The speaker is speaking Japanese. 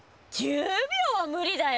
１０秒は無理だよ。